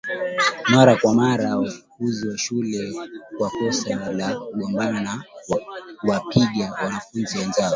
Mara kwa mara walifukuzwa shule kwa kosa la kugombana na kuwapiga wanafunzi wenzao